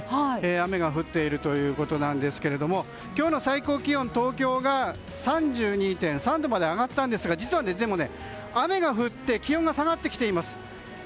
雨が降っているということなんですが今日の最高気温東京が３２．３度まで上がったんですが実は、雨が降って気温が下がってきています。